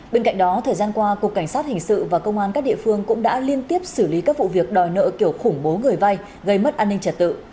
bên cạnh đó thời gian qua cục cảnh sát hình sự và công an các địa phương cũng đã liên tiếp xử lý các vụ việc đòi nợ kiểu khủng bố người vai gây mất an ninh trật tự